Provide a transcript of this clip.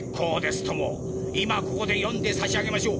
今ここで読んで差し上げましょう。